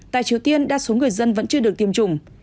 tại triều tiên đa số người dân vẫn chưa được tiêm chủng